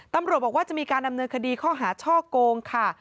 ตำรวจบอกว่าจะมีการดำเนินคดีข้อหาช่อโกงค่ะ